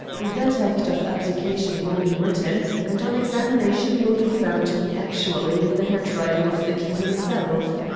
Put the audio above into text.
That act of abdication will be written, and on examination will be found to be actually in the handwriting of the King himself.